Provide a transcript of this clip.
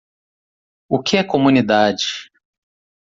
O que é Comunidade.